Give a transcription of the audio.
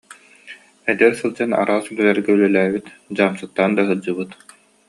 Эдэр сылдьан араас үлэлэргэ үлэлээбит, дьаамсыктаан да сылдьыбыт